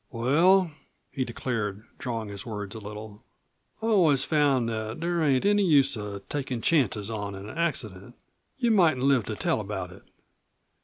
"Well," he declared, drawling his words a little, "I've always found that there ain't any use of takin' chances on an accident. You mightn't live to tell about it.